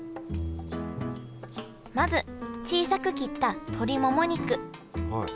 まず小さく切った鶏もも肉。